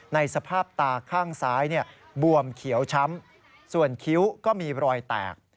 ในสภาพตาข้างซ้ายบวมเขียวช้ำส่วนคิ้วก็มีรอยแตก